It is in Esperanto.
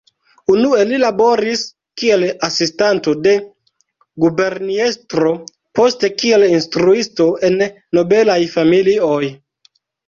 Unue li laboris kiel asistanto de guberniestro, poste kiel instruisto en nobelaj familioj.